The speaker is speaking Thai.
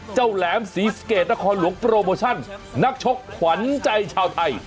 แหลมศรีสเกตนครหลวงโปรโมชั่นนักชกขวัญใจชาวไทย